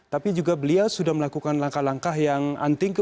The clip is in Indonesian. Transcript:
tapi juga beliau sudah melakukan langkah langkah yang anting